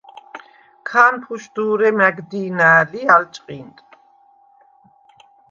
ქა̄ნფუშდუ̄რე მა̈გ დი̄ნა̄̈ლ ი ალ ჭყინტ.